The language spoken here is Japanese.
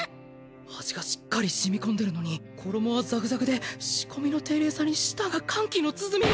味がしっかり染み込んでるのに衣はザクザクで仕込みの丁寧さに舌が歓喜の鼓を。